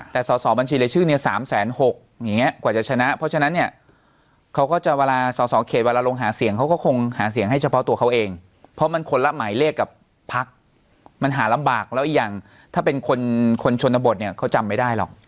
แต่สอสอบัญชีรายชื่อเนี่ย๓๖๐๐อย่างนี้กว่าจะชนะเพราะฉะนั้นเนี่ยเขาก็จะเวลาสอสอเขตเวลาลงหาเสียงเขาก็คงหาเสียงให้เฉพาะตัวเขาเองเพราะมันคนละหมายเลขกับพักมันหาลำบากแล้วอีกอย่างถ้าเป็นคนชนบทเนี่ยเขาจำไม่ได้หรอก